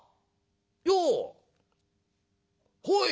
よう！ほい！」。